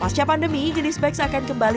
pasca pandemi jenis bags akan kembali